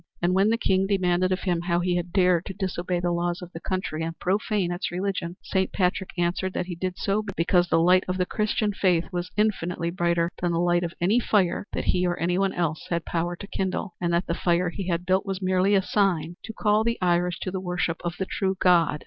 And when the King demanded of him how he had dared to disobey the laws of the country and profane its religion, Saint Patrick answered that he did so because the light of the Christian faith was infinitely brighter than the light of any fire that he or any one else had power to kindle; and that the fire he had built was merely a sign to call the Irish to the worship of the true God.